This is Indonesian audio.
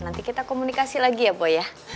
nanti kita komunikasi lagi ya bu ya